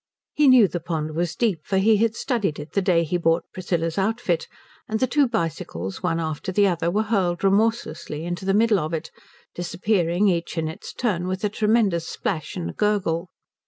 He knew the pond was deep, for he had studied it the day he bought Priscilla's outfit; and the two bicycles one after the other were hurled remorsely into the middle of it, disappearing each in its turn with a tremendous splash and gurgle.